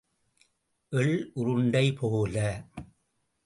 எள் உருண்டை போல.